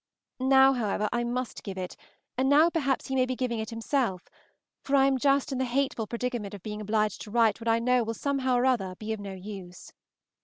Now, however, I must give it, and now perhaps he may be giving it himself; for I am just in the hateful predicament of being obliged to write what I know will somehow or other be of no use.